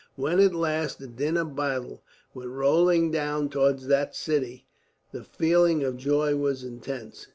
When at last the din of battle went rolling down towards that city, the feeling of joy was intense.